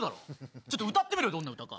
ちょっと歌ってみろよ、どんな歌か。